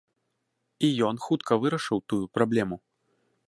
І ён хутка вырашыў тую праблему.